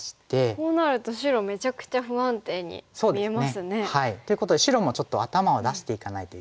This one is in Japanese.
こうなると白めちゃくちゃ不安定に見えますね。ということで白もちょっと頭を出していかないといけないんですね。